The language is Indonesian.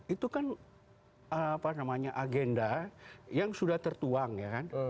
itu kan agenda yang sudah tertuang ya kan